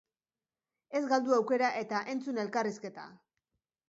Ez galdu aukera eta entzun elkarrizketa.